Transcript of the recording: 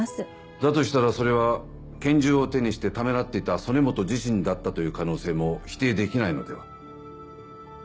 だとしたらそれは拳銃を手にしてためらっていた曽根本自身だったという可能性も否定できないのでは？